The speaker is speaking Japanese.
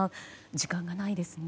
時間がないですね。